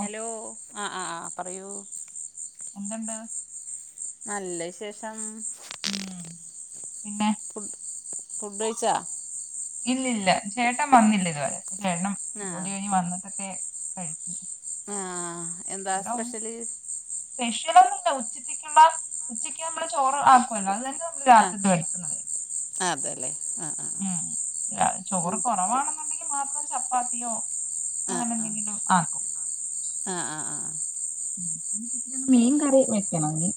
Hello ആഹ് ആ.. പറയൂ. എന്തുണ്ട്? നല്ല വിശേഷം ഉം പിന്നെ ഫുഡ് ഫുഡ് കഴിച്ചാ ഇല്ലില്ല ചേട്ടൻ വന്നില്ല ഇതുവരെ ചേട്ടൻ ആഹ് ജോലി കഴിഞ്ഞ് വന്നിട്ടൊക്കെ കഴിക്ക് ആഹ് എന്താ സ്പെഷ്യല്? സ്പെഷ്യലൊന്നും ഇല്ല ഉച്ചയ്ത്തേക്ക്ള്ള ഉച്ചയ്ക്ക് നമ്മള് ചോറ് ആകുല്ലോ അത് തന്നെ ആഹ് രാത്രി ല് കഴിക്കുന്നത്. അതേല്ലേ. ആഹ് ആഹ് ഉം ല്ലചോറ് ഉം കുറവാണെന്നുണ്ടെങ്കിൽ മാത്രം ചപ്പാത്തിയോ? അങ്ങനെ ആഹ് ആഹ് എന്തെങ്കിലും ആക്കും ആഹ് ആഹ് ആഹ് മീൻ കറി വെക്കണോങ്കി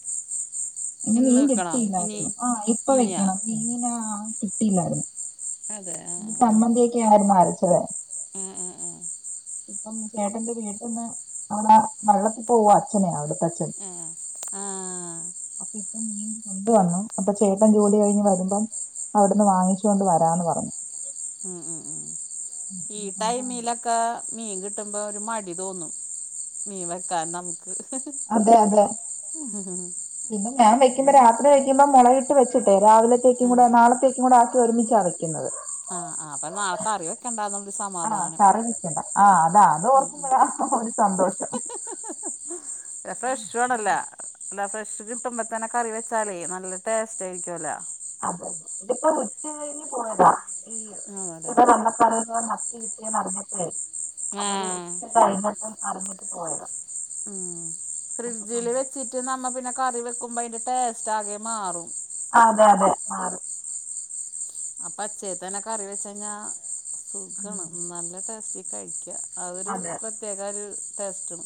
ഇന്ന് മീൻ വെക്കണോ ഇനി കിട്ടിയില്ലായിരുന്നു ആഹ് ഇപ്പ ഇനിയാ വെക്കണം മീനാ കിട്ടിയില്ലായിരുന്നു അതെ ആഹ് സമ്മന്തിയൊക്കെ ആയിരുന്നു അരച്ചത് ആഹ് ആഹ് ആഹ് പ്പം ചേട്ടന്റെ വീട്ടിന്ന് അവിടെ വള്ളത്തിൽ പോവാ അച്ഛനെ അവിടുത്തെ അച്ഛൻ ആഹ് ആഹ് അപ്പ ഇപ്പം മീൻ കൊണ്ടുവന്നു അപ്പൊ ചേട്ടൻ ജോലി കഴിഞ്ഞ് വരുമ്പം അവിട്ന്ന് വാങ്ങിച്ചോണ്ട് വരാന്ന് പറഞ് ഉം ഉം ഉം ഈ ടൈമിലക്ക മീൻ കിട്ടുമ്പോ ഒരു മടി തോന്നും മീൻ വെക്കാൻ നമ് അതെ അതെ പിന്നെ ഞാൻ വെക്കുമ്പോ അതാണ് രാത്രി വയ്ക്കുമ്പോ മുളകി ട്ട് വെച്ചിട്ടെ രാവിലെത്തേക്കും ആഹ് കൂടെ നാളത്തേക്കും കൂടെ ആക്കി ഒരുമിച്ചാ വെക്യുന്നത് ആഹ് ആഹ് അപ്പൊ നാളെ കറി വെക്കണ്ടാന്നുള്ളൊരു ആഹ് സമാധാനം കറിവക്കണ്ട ആഹ് അതാ അത് ഓർ ഉം ഉം ആഹ് ഒരു സന്തോഷം നല്ല ഫ്രഷുംഅണല്ലാ ല്ല ഫ്രഷ് കിട്ടുമ്പത്തന്നെ കറി വെച്ചാലേ നല്ല ടേസ്റ്റ് ആയിരിക്കുല്ലാ അതെ ഇപ്പോ ഉച്ച കഴിഞ്ഞ് പോയതാ ഈ [unintelligible] ആണല്ലേ [unintelligible] ഞ്ഞിട്ടേ അവര് ആഹ് ഉച്ച കഴിഞ്ഞിട്ടും അറിഞ്ഞിട്ട് പോയതാ ഉം ഒക്കെ ഫ്രിഡ്ജില് കൊണ്ടുപോയി വെച്ചിട്ട് നമ്മ പിന്നെ കറി വെക്കുമ്പോ അയ്ന്റെ ടേസ്റ്റാകെ മാറും അതെ അതെ മാറും അപ്പച്ചേത്തന്നെ കറി വെച്ചയ്ഞാ ഉം സുഖാണ് നല്ല ടേസ്റ്റി കഴിക്ക അതൊരു അതെ പ്രത്യേക ഒരു ടേസ്റ്റണ്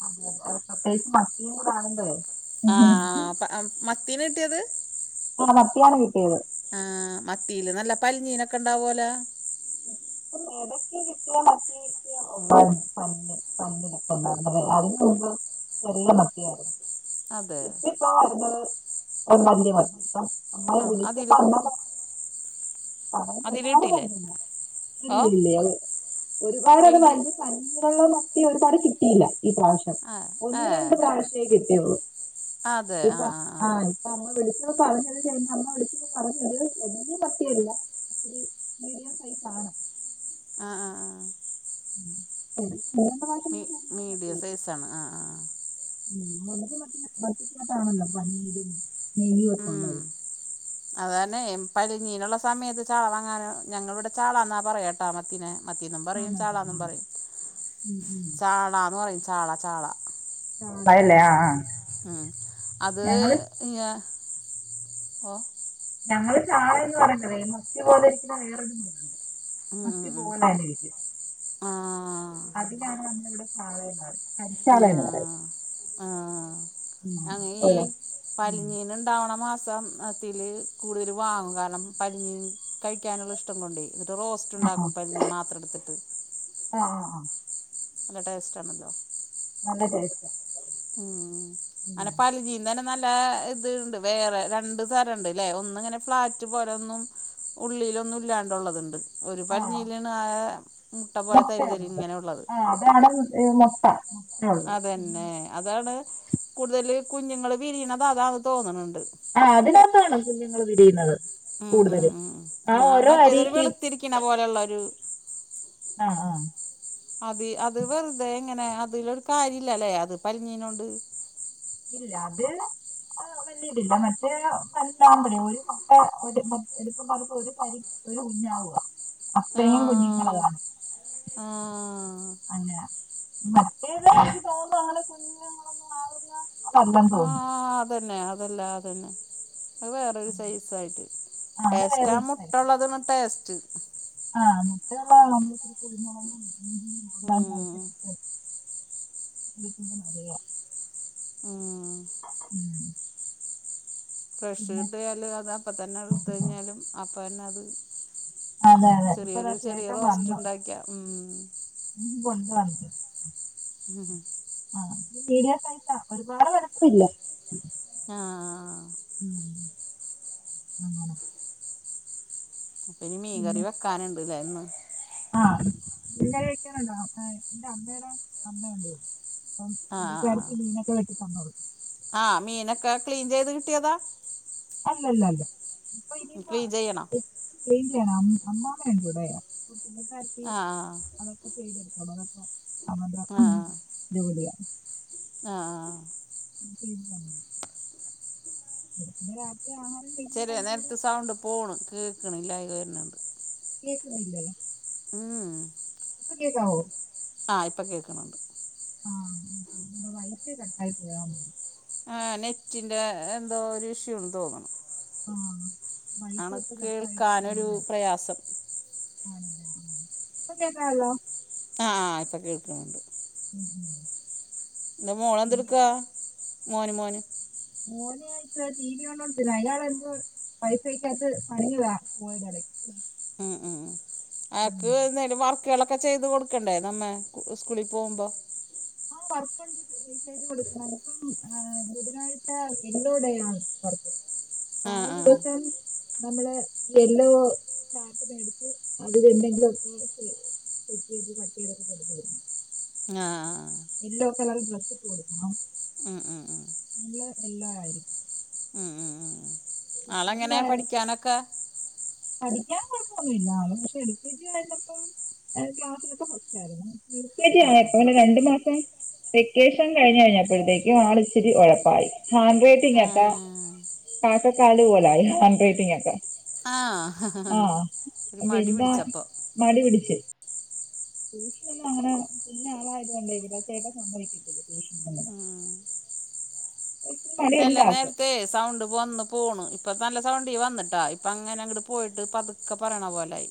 [unintelligible] പ്രത്യേകിച്ച് മത്തിയും കൂടാവുമ്പഴേ ആഹ് ആഹ് അപ്പ ആഹ് മത്തിനെ കിട്ട്യേത് ആഹ് മത്തിയാണ് കിട്ടിയത് ആഹ് മത്തില് നല്ല പൽഞ്ഞീനൊക്കെ ഉണ്ടാവൂലാ ഉം ഇപ്പം എടക്ക് കിട്ടിയ മത്തി [unintelligible] [unintelligible] അതിന് ചെറിയ മത്തിയര്ന്ന് അതെ ഇപ്പൊ വരുന്നത് [unintelligible] മത്തി ഇപ്പ നമ്മ ആ വിളിച്ചപ്പ അതില് [unintelligible] പറയ്ന്നെ ഒരുപാട് അതിലിട്ടില്ലേ [unintelligible] ഓ ഇല്ലല്ല ഒരുപാട് അത് വലുതി വലിയ പഞ്ഞിള്ള ഒരു മത്തി ഒരുപാട് കിട്ടിയില്ല ഈ പ്രാവശ്യം ആ ഏ ഒന്ന് രണ്ട് പ്രാവശ്യേ കിട്ടിയൊള്ളൂ അതെ ആ [unintelligible] ആ ആ ആഹ് ആ അപ്പ അമ്മ വിളിച്ച പറഞ്ഞത് കയിഞ് അമ്മ വിളിച്ചപ്പോ പറഞ്ഞത് എന്നും മത്തിയല്ല ഒരു മീഡിയാ സൈസാണ് ആഹ് ആഹ് ആഹ് [inaudible] ഉം പിന്നെന്താ മീ മീഡിയം സൈസ് ആണ് ആഹ് ആഹ് ആഹ് ഉം [unintelligible] പഞ്ഞില് ഉം [inaudible] അതന്നെ പരഞ്ഞീനുള്ള സമയത്ത് ചാള വാങ്ങാനോ ഞങ്ങളിവിടെ ചാളാന്നാ പറയാട്ടൊ മത്തിനെ മത്തിന്നും പറയും ആന്നല്ലേ ചാളാന്നും ആ പറയും ഉം ഉം ചാളാന്ന് പറയും ചാള ചാള [unintelligible] ആഹ് ആഹ് ഉം അത് [unintelligible] ഓഹ് ഞങ്ങള് ചാളെയ്ന്ന് പറയ്ണ്ടലൊ ഈ മത്തി പോലെരിക്ക്ണ വേറൊരു മീ ഉം ഉം ഉം ആഹ് ആഹ് ആ. അതിനാണ് നമ്മളിവിടെ സാധ- ആഹ് ആഹ്. ഉം അങ്ങ ഈ ഒരു ഉം പലഞ്ഞീന ഇണ്ടാവണ മാസം. അത്തില് കൂടുതൽ വാങ്ങും കാരണം പഞ്ഞിൻ കഴിക്കാന്ള്ള ഇഷ്ടം കൊണ്ടെ. ന്നിട്ട് റോസ്റ്റ് ഇണ്ടാക്കും പഞ്ഞി മാത്രം ഇട്ത്തിട്ട്. ആഹ് ആ. നല്ല ടേസ്റ്റാണല്ലോ. [unintelligible] ഉം [unintelligible] പാലിജി. ഇന്നെ നല്ല ഇത്ണ്ട് വേറെ രണ്ട് തരണ്ട്ല്ലെ ഒന്ന്ങ്ങനെ ഫ്ളാറ്റ് പോലൊന്നും ഉള്ളിയിലൊന്നും ഇല്ലാണ്ടുള്ളതുണ്ട്. ഒരു ആഹ് പഞ്ഞീലാണ് ആ മുട്ട പോലെ തരി മുട്ടയുള്ളത് തരിങ്ങനെള്ളത്. [unintelligible] ആഹ്. മുട്ടയുള്ളത് അതന്നെ അതാണ് കൂടുതല് കുഞ്ഞുങ്ങള് വിരിയ്ണത് അതാണ്‌ തോന്ന്ണ്ണ്ട്. ആ അതിനകത്താണോ കുഞ്ഞുങ്ങൾ വിരിയുന്നത്? മ് കൂടുതലും മ് മ് ആ ഓരോ മറ്റേതൊരു അരിക്ക് വെൾത്തിരി ക്ക്ണ പോലെയുള്ളൊരു ആഹ് ആഹ്. അത് അത് വെറുതെ എങ്ങനെ അതിലൊരു കാര്യ ഇല്ലലേ അത് പലഞ്ഞീനോണ്ട്. ഇല്ല അത്. വലിയതില്ല മറ്റേ പല്ലതാമ്പ ഒരു പ ഒരു [unintelligible] എടുക്കുപ്പോ ഒരു പ. ആഹ് ആഹ് [unintelligible] [unintelligible] ആഹ് അതന്നെ അതല്ല അതന്നെ. അത് വേറൊരു സൈസയിട്ട് ആഹ് അത് ടേസ്റ്റ് ആ വേറൊരു മുട്ടുള്ളത് ടേസ്റ്റ്. മുട്ടഉളള [unintelligible] കുരുമുളകും ഉം ഇഞ്ചിയും [unintelligible] [inaudible] ഉം ഉം ഫ്രഷ് പിന്നെ കിട്ടിയാല് അത് അപ്പം തന്നെ എട്ത്തഴിഞ്ഞാല് അപ്പം തന്നെ അത് അതെ അതെ ഇപ്പതാ ചെറിയൊരു ചെറിയ ചേട്ടൻ റോസ്റ്റ് വന്നു ഉണ്ടാക്കിയാ ഉം. ഉം [unintelligible] [inaudible] ആഹ് മീഡിയം സൈസാ ഒരുപാട് വിലക്കുറവില്ലേ ആഹ് ആഹ്. ഉം അങ്ങനെ ഇനി മീൻകറി വെക്കാന്ണ്ട് ലേ ഇന്ന്. ആഹ് മീൻ കറി വയ്ക്കാറുണ്ടോ ഏഹ് എന്റെ അമ്മയുടെ അമ്മണ്ടു വിടി- അപ്പ ആ പുളളിക്കാരത്തി മിനൊക്കെ വെടി തന്നോളു. ആഹ് മീനൊക്കെ ക്ലീൻ ചെയ്ത് കിട്ടിയതാ. ക്ലീൻ ചെയ്യണം [unintelligible] [inaudible] ആഹ്. അതൊക്കെ ചെയ്തെടുക്കും അവരൊക്കെ അവ ആഹ്? ജോലിയ ആഹ്. [unintelligible] രാത്രിയാവുമ്പോൾ ചെറ്യേ നേര്ത്ത് സൗണ്ട് പോണ് കേക്ണില്ല അത് കാരണം കേക്കുന്നില്ലേ? ഉം ഇപ്പം കേക്കാവോ ആഹ് ഇപ്പ കേക്കണുണ്ട്. ആഹ് ഇപ്പം വൈ ഫൈ കട്ടായി പോയോ? ആഹ് നെറ്റിന്റെ എന്തോ ഒരു ഇഷ്യൂന്ന് തോന്നണ് ആഹ്. ആണ് കേൾക്കാനൊരു പ്രയാസം. ഇപ്പം കേക്കാല്ലോ. ആഹ് ഇപ്പ കേൾക്ണുണ്ട്. [inaudible] ൻ്റ മോള് പിന്നെ എന്ത്ട്ക്കാ മോന് മോന്. മോന് ഇത്ര ടി വി കണ്ടോണ്ടിരുന്നേ അയാള് ഇപ്പം. വൈഫൈക്കത്ത് പണിഞ്ഞതാ പോയി കിട ഉം ഉം ആക്ക് എന്തേലും വർ ക്കെളാക്കെ ചെയ്ത് കൊടുക്കണ്ടേ നമ്മേ സ്കൂളിൽ പോകുമ്പ. [unintelligible] പർപ്പ്- [unintelligible] സേജ് കൊടുക്കാന് ബുധനാഴ്ച [unintelligible] ടെയാ. [unintelligible] ആ ആഹ് ആഹ് ദിവസം. നമ്മള് യെല്ലോ ചാർട്ട് മേടിച്ച് അതിലെന്തെങ്കിലൊക്കെ ചെയ്- [unintelligible] കെ ജി [unintelligible] കൊടുത്തത്. ആഹ് യെല്ലോ കളർ ഡ്രസ് ഇട്ട് കൊടുക്കണം. ഉം ഉം ഉം. ള്ള് യെല്ലോ ആയിരിക് ഉം ഉം ഉം കെ ആളെങ്ങനെ പഠിക്ക്യാനൊക്ക. പഠിക്ക്യാൻ കൊഴപ്പൊന്നുല്ല പക്ഷെ എൽ കെ ജി ആയിരുന്നപ്പം എ ക്ലാസ്സിലൊക്കെ ഫസ്റ്റായിരുന്നു. യു കെ ജി ഉം ഉം ആയപ്പം പിന്നെ രണ്ടു മാസം. വെക്കേഷൻ കഴിഞ്ഞ് കഴിഞ്ഞപ്പോഴത്തേക്കും ആള് ഇച്ചിരി ഒഴപ്പായി ഹാൻഡ് റൈറ്റിംഗ് ഒക്ക. ആഹ് കാക്ക കാല് പോലായി ഹാൻഡ് റൈറ്റിംഗ് ഒക്ക. ആഹ് ഹാ മടി പിന്നെ പിടിച്ചപ്പം. മടി പിടിച്ച്. ട്യൂഷനൊന്നും അങ്ങനെ കുഞ്ഞാളായത് കൊണ്ടേ പിന്നേ ചേട്ടൻ സമ്മതിക്കില്ല ട്യൂഷനങ്ങനെ. ഉം ചെല നേരത്തെ സൗണ്ട്- വന്ന് പോണ് ഇപ്പ നല്ല സൗണ്ടി വന്ന്ട്ടാ ഇപ്പങ്ങങ്ങട് പോയിട്ട് പതുക്കെ പറയ പോലായി.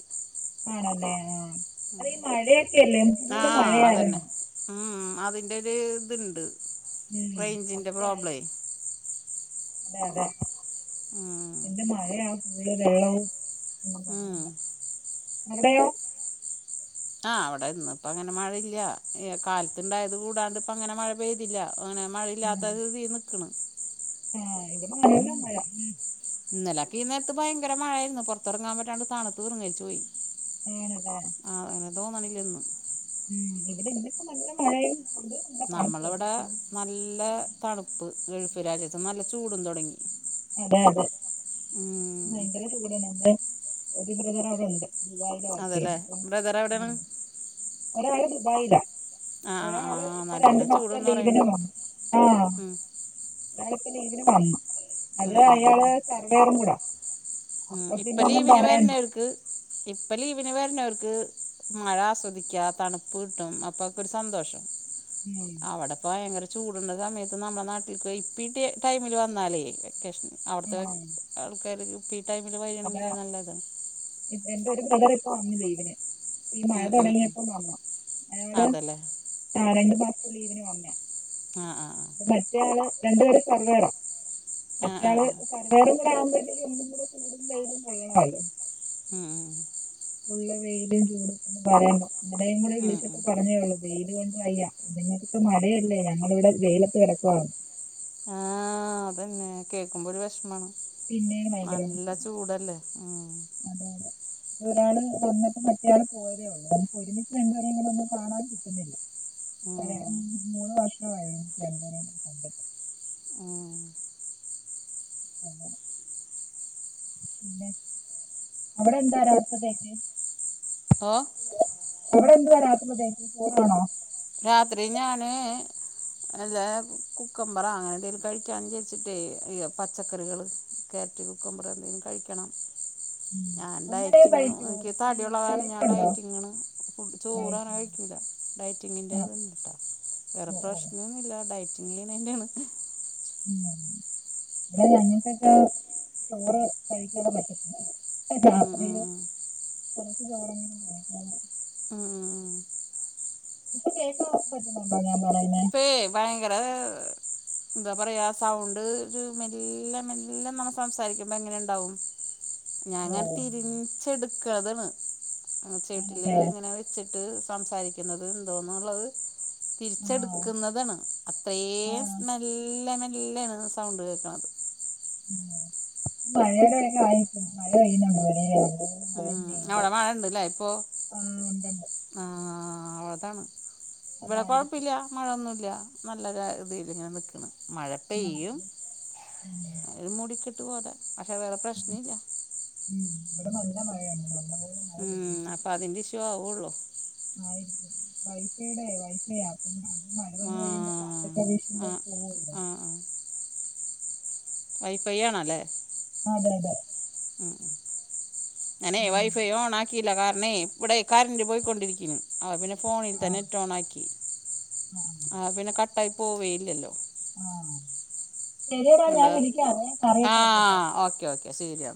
ആണല്ലേ ആഹ് അത് ഈ മഴയെക്കെയല്ലേ ആഹ് അതന്നെ ഉം അതിന്റെരു ത്ണ്ട്. ഉം റെയ്ഞ്ചിന്റെ അതിന്റെ പ്രോബ്ലേ. ആയിരിക്കും അതെ അതെ ഉം എന്ത്‌ മഴയാ. [unintelligible] ഉം. അവടെയോ ആഹ് അവിടെ ഇന്ന്പ്പങ്ങനെ മഴയില്ല എ കാലത്തുണ്ടായത് കൂടാണ്ട്പ്പങ്ങനെ മഴ പെയ്തില്ല അങ്ങനെ- മഴയില്ലാത്ത ഇതി നി ക്ക്ണ്. ആഹ് ഇവടെ നല്ല മഴ ഇന്നലക്കീ നേര്ത്ത് ഭയങ്കര മഴയാരുന്നു പൊർത്തർങ്ങാൻ പറ്റാണ്ട് തണുത്ത് വിറങ്ങലിച്ചു പോയി. ഏ. [unintelligible] ആഹ് അങ്ങനെ തോന്നണില്ലന്ന്. ഉം ഇവിടെ ഇന്നൊക്കെ നല്ല മഴയ്യുന്നുണ്ട്. നമ്മളിവിടെ നല്ല തണുപ്പ് ഗൾഫ് രാജ്യത്ത് നല്ല ചൂടും തുടങ്ങി. അതെ അതെ ഉം. ഭയങ്കര ചൂടാണവിടെ ഒരു ബ്രദർ അവിടെണ്ട്. ദുബായിലാ അതല്ലേ വർക്ചൊയുനോ ബ്രദർ എവിടെയാണ് ദുബായില ആ ആ ആ, ഒരാള് ആ ഇപ്പൊ രണ്ടു നല്ല മാസത്തെ ചൂടെന്ന് ലീവിന് പറയുന്നുണ്ട് വന് ആഹ് ഉം. ഒരാള് പംലീവിന് വന്നു അത് ഉം, ഉം, അയാള് സർവേറും കൂടൊ. മ്മ് ഇപ്പം ലീവിന് വരണേര്ക്. ഇപ്പം ലീവിന് വരണവർക്ക് മഴ ആസ്വദിക്കാ തണുപ്പ് കിട്ടും അപ്പൊക്കെ ഒരു സന്തോഷം. ഉം. അവിടെ ഇപ ഭയങ്കര ചൂടുളള സമയത്ത് നമ്മുടെ നാട്ടിൽ ഇപ്പ ടൈമിൽ വന്നാലേ വെക്കേഷൻ. ആ അവിടുത്തെ ആൾക്കാര്ക്ക് ഇപ്പം ഈ ടൈമില് അതാ വരണങ്കില് നല്ലതാണ്. എന്റെ ഒരു ബ്രദർ ഇപ്പ വന്ന് ലീവിന്. ഈ മഴ ഉം ഉം ഉം തുടങ്ങിയപ്പോ വന്ന് അതല്ലേ ആഹ് രണ്ടു മാസത്തെ ലീവിന് വന്ന. ആഹ് ആഹ് ആഹ് മറ്റയാള് രണ്ട് പേരും സർവ്വേയറാ ആ ആ ആ മറ്റയാൾ ആ സർവ്വേയറും ആകുമ്പോത്തേക്കും. ചൂടും വെയിലും കൊള്ളാമല്ലോ മ്മ് ഉള്ള വെയിലും ചൂടും ഒന്നും പറയേണ്ട ഇന്നലെയും കൂടെ ഉം വിളിച്ചിട്ട് ഉം പറഞ്ഞേള്ളൂ വെയിൽ കൊണ്ട് വയ്യ മഴയല്ലേ ഞങ്ങളിവിടെ വെയിലത്ത് കിടക്കാ. ആഹ് അതന്നെ കേക്കുമ്പോ ഒരു വിഷമാണ്. പിന്നെയും നല്ല ചൂടല്ലേ മ്മ് അതെ അതെ അ ഒരാള് വന്നിട്ട് മറ്റയാൾ പോയതേ ഉള്ളൂ നമുക്ക് ഒരുമിച്ച് രണ്ട് പേരെയും ഒന്നും കാണാൻ കിട്ടുന്നില്ല. ഒര ഉം മൂന്ന് വർഷമായി രണ്ട് പേരെ കണ്ടിട്ട്. മ്മ് ആഹ് പിന്നെ അവിടെ എന്താ [unintelligible] ഓ അവിടെ എന്തുവാ രാത്രിയത്തേക്ക് ചോറാണോ രാത്രി ഞാന്. എല്ലാ കുക്കംമ്പറ അങ്ങനെ എന്തേലും കഴിക്കാൻ വിചാരിച്ചിട്ടേ ഈ പച്ചക്കറികള്. ക്യാരറ്റ് കുക്കമ്പറെ എന്തെങ്കിലും കഴിക്കണം. [inaudible] ഞാൻ അങ്ങനെ ഡയറ്റിങ് കഴിക്കുവോ എനിക്ക് ഈ തടിയുള്ളകരണം ഞാൻ ഡയറ്റ് ഉണ്ടോ ഡയറ്റിങ്ങാണ്. ചോറ് ഡയറ്റ് അങ്ങനെ ഉണ്ടോ കഴിക്ക ഇല്ല ആ ഡയറ്റിങ്ങിന്റേതന്നെട്ടോ വേറെ ഓ ഓ പ്രശ്നൊന്നുല്ല ഡയറ്റിങ് ചെയ്യ്ണേന്റേയാണ്. മ്മ് അ ഞങ്ങൾക്കൊക്കെ ചോറ് കഴിക്കാതെ പറ്റത്തില്ല. [unintelligible] ഉം ഇപ്പൊ [unintelligible] ഇപ്പേ ഭയങ്കര എന്താ പറയാ സൗണ്ട് ഒരു മെല്ലെ മെല്ലെ നമ്മൾ സംസാരിക്കുമ്പോ എങ്ങനെയുണ്ടാവും. ഓ ഞാൻങ്ങനെ തിരിച്ചെടുക്കതണ് ചേട്ടില് ആണല്ലേ ഇങ്ങനെ വെച്ച്. വെച്ചിട്ട് സംസാരിക്കുന്നത്. എന്തോന്നുള്ളത്. ആ ചെടുക്കുന്നതണ് ആ അത്രയും മെല്ലെ മെല്ലാണ് സൗണ്ട് കേൾക്കണത്. [unintelligible] മ്മ് പെയ്യുന്നു അവിടെ മഴ ഇണ്ടല്ലെ ഇപ്പോ. ആ ഉണ്ടുണ്ട് ആഹ് അതാണ് ഇവിടെ അതായിരിക്കും കുഴപ്പില്ല. മഴയൊന്നുല്ല നല്ല രീതിയിൽ ഇങ്ങനെ നിക്കണ് മഴ ആ പെയ്യും. ഉം. ഒരു മൂടിക്കെട്ട് പോലെ അപം പ്രശ്നില്ല. മ്മ് ഇവിടെ നല്ല മഴയാണ്. ഉം അപ്പൊ അതിന്റെഷോ ആവൊള്ളൂ വൈ വൈഫൈടെ വൈഫൈ ആപ്പ മഴ ആ വന്നു കഴിയുമ്പോ കാർട്ടപ്രദേശം ആ എന്തായാലുംപോവല്ലോ ആ ആ വൈഫൈ ആണല്ലേ അതെ അതെ മ് മ് ഞാനെ ഉം. വൈഫെ ഓണാക്കില്ല കാരണെ ഇവിടെ കറന്റ് പോയിക്കൊണ്ടിരിക്കുന്നു ആ പിന്നെ ഫോണിൽ ആ തന്നെ നെറ്റ് ഓണാക്കി ആ പിന്നെകട്ടായി പോവേയില്ലല്ലോ ആ ശരിഡാഞാൻ ഇവിടെ വിളിക്കവേ ആ പറയട്ടെ ഓക്കെ ഓക്കെ ശരിയാ